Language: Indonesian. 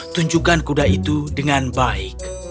tunjukkan kuda itu dengan baik